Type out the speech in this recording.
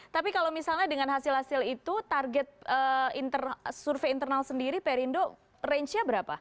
tapi kalau misalnya dengan hasil hasil itu target survei internal sendiri perindo range nya berapa